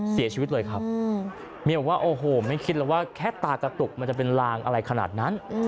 เสียชีวิตเลยครับเมียบอกว่าโอ้โหไม่คิดแล้วว่าแค่ตากระตุกมันจะเป็นลางอะไรขนาดนั้น